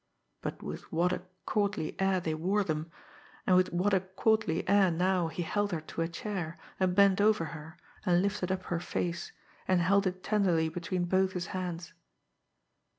But with what a courtly air they wore them! And with what a courtly air now he led her to a chair, and bent over her, and lifted up her face, and held it tenderly between both his hands!